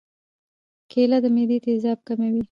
کېله د معدې تیزاب کموي.